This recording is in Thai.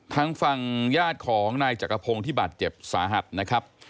ทางฝั่งญาติของนายจักรพงศ์ที่บาดเจ็บสาหัสนะครับ